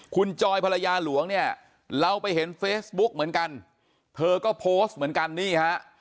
คุณจอยภรรยาหลวงเนี่ยเราไปเห็นเฟซบุ๊กเหมือนกันเธอก็โพสต์เหมือนกันนี่ฮะ